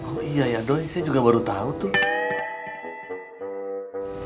oh iya ya doy saya juga baru tahu tuh